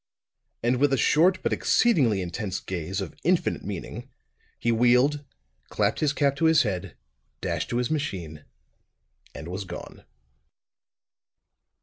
And with a short but exceedingly intense gaze of infinite meaning, he wheeled, clapped his cap to his head, dashed to his machine and was gone.